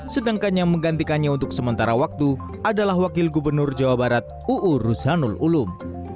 sedangkan yang menggantikannya untuk sementara waktu adalah wakil gubernur jawa barat uu rusanul ulum